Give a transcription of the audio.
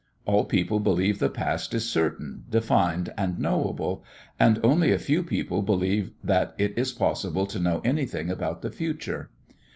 All people believe the past is certain, defined, and knowable, and only a few people believe that it is possible to know anything about the future.